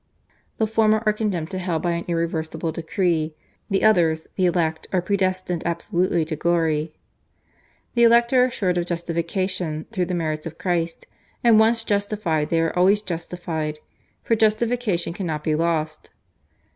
The former are condemned to hell by an irreversible decree, the others, the elect, are predestined absolutely to glory. The elect are assured of justification through the merits of Christ, and once justified they are always justified, for justification cannot be lost.